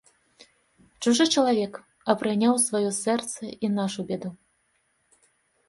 Чужы чалавек, а прыняў у сваё сэрца і нашу бяду.